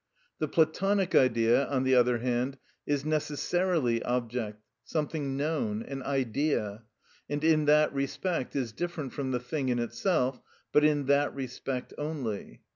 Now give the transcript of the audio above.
The Platonic Idea, on the other hand, is necessarily object, something known, an idea, and in that respect is different from the thing in itself, but in that respect only.